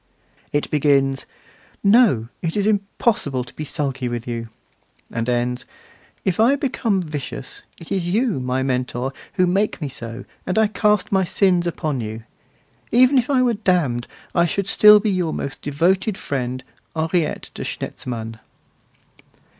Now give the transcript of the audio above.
It begins: 'No, it is impossible to be sulky with you!' and ends: 'If I become vicious, it is you, my Mentor, who make me so, and I cast my sins upon you. Even if I were damned I should still be your most devoted friend, Henriette de Schnetzmann.